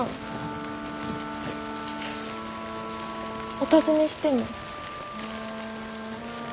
お尋ねしても？